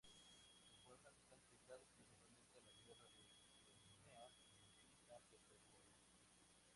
Sus poemas están dedicados principalmente a la guerra de Crimea y San Petersburgo.